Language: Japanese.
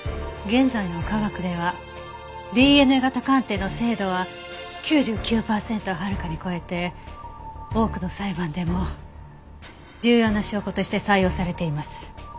現在の科学ではＤＮＡ型鑑定の精度は９９パーセントをはるかに超えて多くの裁判でも重要な証拠として採用されています。